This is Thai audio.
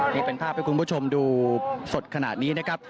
นี่เป็นภาพให้คุณผู้ชมดูสดขนาดนี้นะครับ